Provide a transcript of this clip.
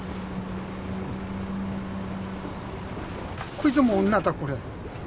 こいつも女だこれ。